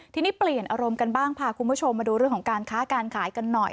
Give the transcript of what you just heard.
ทีนี้เปลี่ยนอารมณ์กันบ้างพาคุณผู้ชมมาดูเรื่องของการค้าการขายกันหน่อย